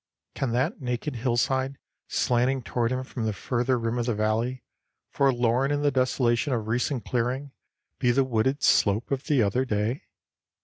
Can that naked hillside slanting toward him from the further rim of the valley, forlorn in the desolation of recent clearing, be the wooded slope of the other day?